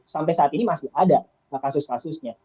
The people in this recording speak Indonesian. sampai saat ini masih ada kasus kasusnya